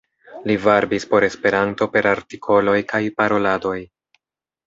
Li varbis por Esperanto per artikoloj kaj paroladoj.